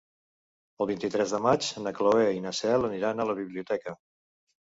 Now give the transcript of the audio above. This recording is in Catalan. El vint-i-tres de maig na Cloè i na Cel aniran a la biblioteca.